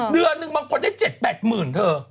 เดือนหนึ่งบางคนได้๗๘หมื่นเธอ